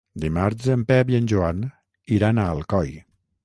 Dimarts en Pep i en Joan iran a Alcoi.